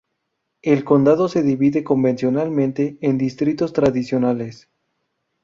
El condado se divide convencionalmente en distritos tradicionales.